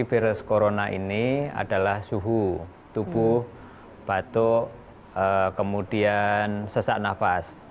virus corona ini adalah suhu tubuh batuk kemudian sesak nafas